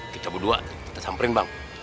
kita berdua kita samperin bang